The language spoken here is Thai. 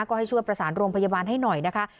ก็ให้ช่วยประสานโรงพยาบาลให้หน่อยนะคะ